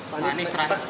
pak anies terasa